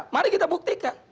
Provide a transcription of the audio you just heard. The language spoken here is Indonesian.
mari kita buktikan